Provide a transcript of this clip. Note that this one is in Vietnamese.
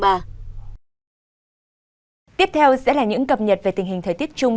tiếp theo sẽ là những cập nhật về tình hình thời tiết chung